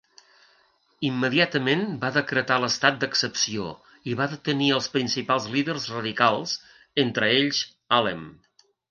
Immediatament va decretar l'estat d'excepció i va detenir als principals líders radicals, entre ells Alem.